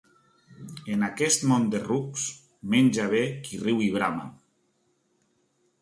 En aquest món de rucs, menja bé qui riu i brama.